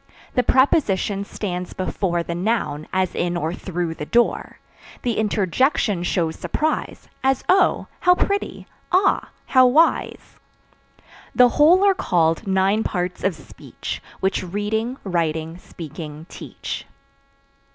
The Preposition stands before The noun, as in or through the door. The Interjection shows surprise As Oh! how pretty, Ah! how wise. The whole are called nine parts of speech, Which reading, writing, speaking teach.